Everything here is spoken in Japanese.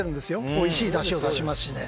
おいしいだしを出しますしね。